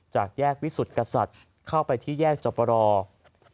จากแยกวิสุทธิ์กษัตริย์เข้าไปที่แยกจบรอ